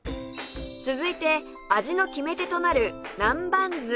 続いて味の決め手となる南蛮酢